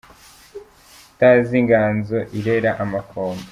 Utazi inganzo irera amakombe